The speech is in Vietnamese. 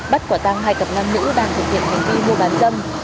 bắt quả tăng hai cặp nam nữ đang thực hiện hành vi mua bán dâm